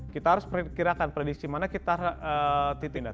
kita harus memperkirakan predisi mana kita harus pindah